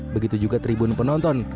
begitu juga tribun penonton